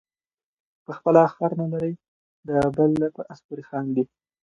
په خپله خر نلري د بل په آس پورې خاندي.